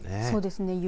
そうですね。